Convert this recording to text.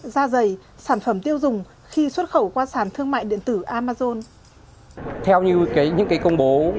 xa dày sản phẩm tiêu dùng khi xuất khẩu qua sàn thương mại điện tử amazon